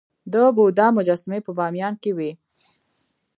د بودا مجسمې په بامیان کې وې